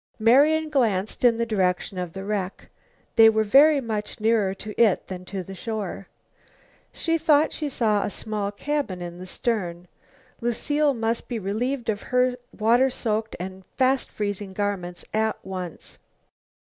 Marian glanced in the direction of the wreck. They were very much nearer to it than to the shore. She thought she saw a small cabin in the stern. Lucile must be relieved of her water soaked and fast freezing garments at once.